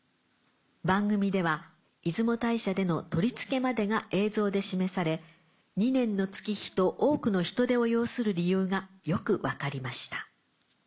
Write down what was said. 番組では出雲大社での取り付けまでが映像で示され２年の月日と多くの人手を要する理由がよく分かりました。